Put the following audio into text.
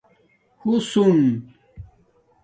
حُسن